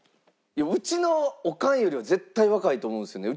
うちのおかんよりは絶対若いと思うんですよね。